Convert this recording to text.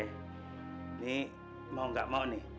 ini mau gak mau nih